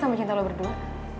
sama cinta lo berdua